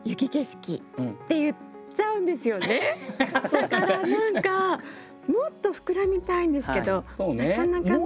だから何かもっと膨らみたいんですけどなかなかね。